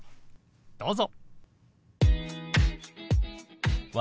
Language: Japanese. どうぞ。